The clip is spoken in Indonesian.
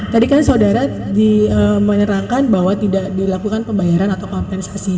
tadi kan saudara menerangkan bahwa tidak dilakukan pembayaran atau kompensasi